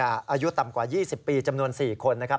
อายุต่ำกว่า๒๐ปีจำนวน๔คนนะครับ